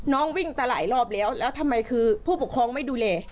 วิ่งแต่หลายรอบแล้วแล้วทำไมคือผู้ปกครองไม่ดูแล